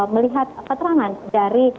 melihat keterangan dari